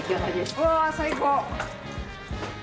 うわぁ最高！